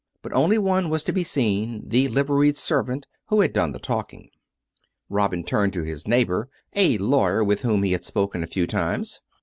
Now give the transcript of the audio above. But only one was to be seen — the liveried servant who had done the talking. Robin turned to his neighbour — a lawyer with whom he had spoken a few times.